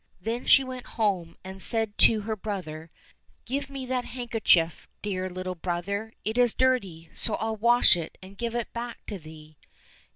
— Then she went home and said to her brother, " Give me that handkerchief, dear little brother ; it is dirty, so I'll wash and give it back to thee."